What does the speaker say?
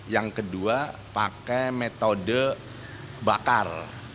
yang kedua pakai metode bakar